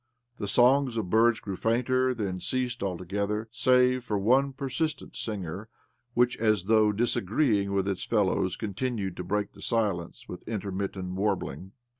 The songs of birds grew fainter, then ceased altogether, save for one persistent singer OBLOMOV 107 which, as thougth disagreeingi with its fellows, continued to break the silence with inter mittent warbling.